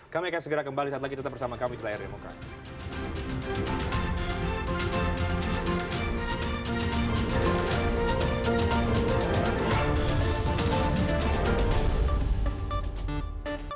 kami akan segera kembali saat lagi tetap bersama kami di layar demokrasi